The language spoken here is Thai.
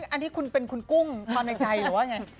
อันนี้คุณเป็นคุณกุ้งความในใจหรือว่าไง